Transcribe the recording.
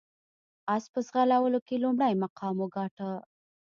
اس په ځغلولو کې لومړی مقام وګاټه.